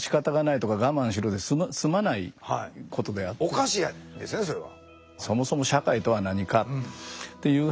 おかしいですねそれは。